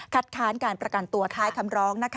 คัดค้านการประกันตัวท้ายคำร้องนะคะ